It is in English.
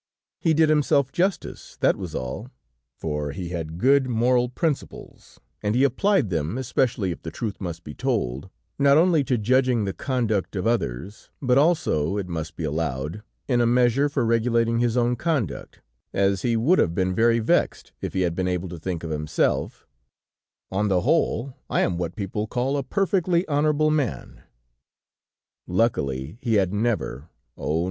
He did himself justice, that was all, for he had good moral principles, and he applied them, especially, if the truth must be told, not only to judging the conduct of others, but also, it must be allowed, in a measure for regulating his own conduct, as he would have been very vexed if he had been able to think of himself: "On the whole, I am what people call a perfectly honorable man." Luckily, he had never (oh!